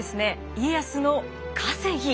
家康の稼ぎ